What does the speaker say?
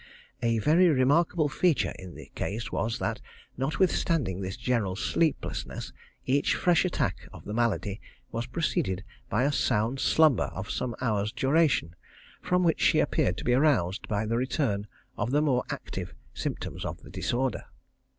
A very remarkable feature in the case was, that notwithstanding this general sleeplessness, each fresh attack of the malady was preceded by a sound slumber of some hours duration, from which she appeared to be aroused by the return of the more active symptoms of the disorder.